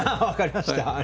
分かりました。